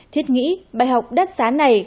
thiết nghĩ bài học đắt sán này